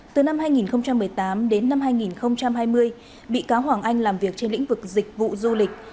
từ năm hai nghìn một mươi tám đến năm hai nghìn hai mươi bị cáo hoàng anh làm việc trên lĩnh vực dịch vụ du lịch